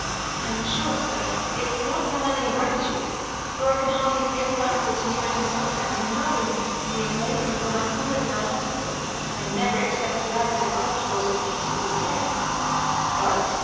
'I'm sure, sir, it's not from any ingratitude, for I can hardly feel thankful to you and to Sir Simon, and to madam, and the young ladies, and all my comrades in the hospital, and I niver expect to be either so comfortable or so peaceful again, but ' 'But?